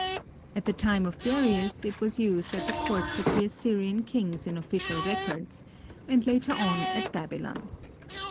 At the time of Darius it was used at the courts of the Assyrian kings in official records, and later on at Babylon.